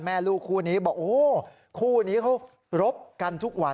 แม่ลูกคู่นี้บอกโอ้คู่นี้เขารบกันทุกวัน